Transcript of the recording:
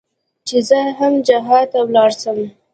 چې زه هم جهاد ته ولاړ سم.